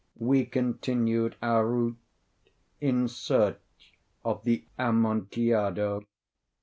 We continued our route in search of the Amontillado.